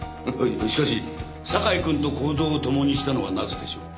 しかし酒井君と行動を共にしたのはなぜでしょう？